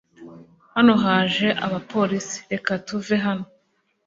Hano haje abapolisi. Reka tuve hano